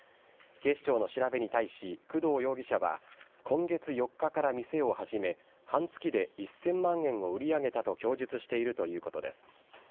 警視庁の調べに対し、工藤容疑者は、今月４日から店を始め、半月で１０００万円を売り上げたと供述しているということです。